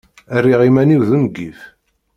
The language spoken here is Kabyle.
Rriɣ iman-iw d ungif.